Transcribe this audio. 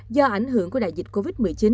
do ảnh hưởng của đại dịch covid một mươi chín